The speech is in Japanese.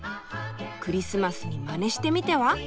クリスマスにマネしてみては？